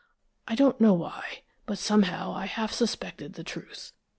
I don't know why, but somehow I half suspected the truth.